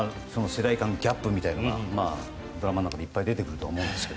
世代間ギャップみたいなのがドラマの中でいっぱい出てくると思うんですが。